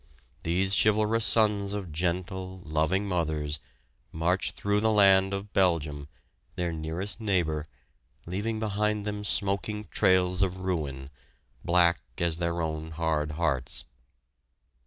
These chivalrous sons of gentle, loving mothers marched through the land of Belgium, their nearest neighbor, leaving behind them smoking trails of ruin, black as their own hard hearts!